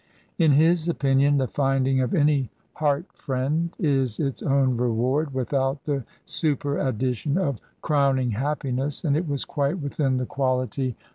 In his opinion the finding of any heart friei\d is its own reward without the superaddition of crowning happiness, and it was quite within the quality \ 1 ( TRANSITION.